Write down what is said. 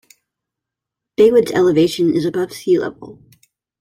Baywood's elevation is above sea level.